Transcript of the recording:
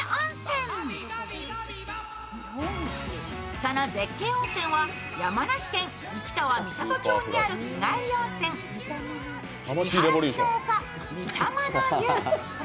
その絶景温泉は山梨県市川三郷町にある日帰り温泉みはらしの丘みたまの湯。